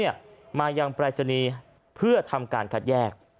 อย่างแปรศนีย์เพื่อทำการคัดแยก